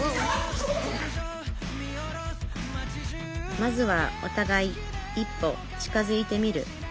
まずはおたがい一歩近づいてみる。